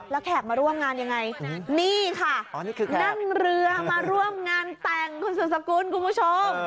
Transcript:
แล้วแขกมาร่วมงานยังไงนี่ค่ะนั่งเรือมาร่วมงานแต่งคุณสุดสกุลคุณผู้ชม